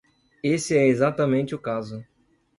Esse é exatamente o caso.